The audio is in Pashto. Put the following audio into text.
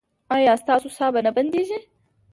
ایا ستاسو ساه به نه بندیږي؟